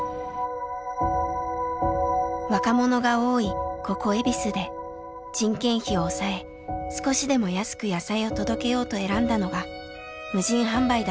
若者が多いここ恵比寿で人件費を抑え少しでも安く野菜を届けようと選んだのが無人販売だったんです。